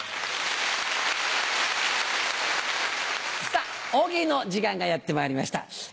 さぁ大喜利の時間がやってまいりました。